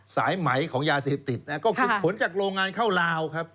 สายไหมของยาเสพติดก็คือผลจากโรงงานเข้าลาวครับ